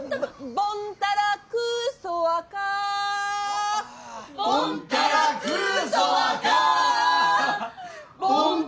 ボンタラクーソワカー。